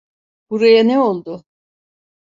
Buraya ne oldu?